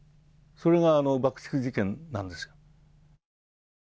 それが、あの爆竹事件なんですよ。